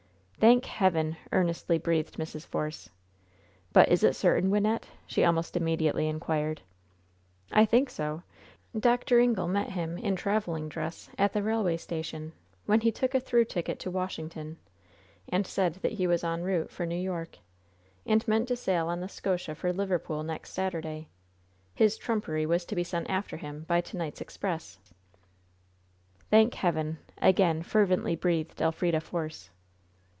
"Thank Heaven!" earnestly breathed Mrs. Force. "But is it certain, Wynnette?" she almost immediately inquired. "I think so. Dr. Ingle met him, in traveling dress, at the railway station, when he took a through ticket to Washington, and said that he was en route for New York, and meant to sail on the Scotia for Liverpool next Saturday. His trumpery was to be sent after him by to night's express." "Thank Heaven!" again fervently breathed Elfrida Force.